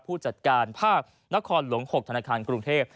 ผู้จัดการภาคนครหลวง๖ธนาคารกรุงเทพ